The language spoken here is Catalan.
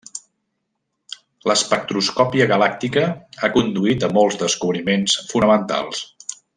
L'espectroscòpia galàctica ha conduït a molts descobriments fonamentals.